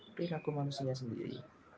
perilaku manusia sendiri